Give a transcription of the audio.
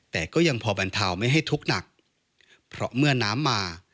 แต่ก็ยังพอบรรเทาไม่ให้ทุกข์หนักเพราะเมื่อน้ำมา